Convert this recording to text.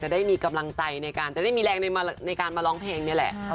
ได้มีกำลังใจในการจะได้มีแรงในการมาร้องเพลงนี่แหละ